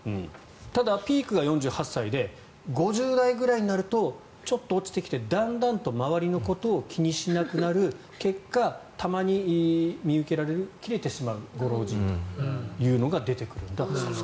ただピークが４８歳で５０代くらいになるとちょっと落ちてきて、だんだんと周りのことを気にしなくなる結果、たまに見受けられるキレてしまうご老人というのが出てくるんだそうです。